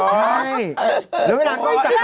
ไม่เริ่มเวลาก็จัดภัณฑ์แน่นี่